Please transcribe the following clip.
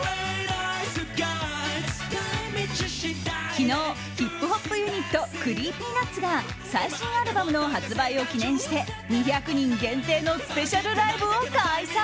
昨日、ヒップホップユニットＣｒｅｅｐｙＮｕｔｓが最新アルバムの発売を記念して２００人限定のスペシャルライブを開催。